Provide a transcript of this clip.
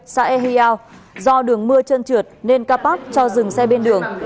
xã ehiao do đường mưa trơn trượt nên kapat cho dừng xe bên đường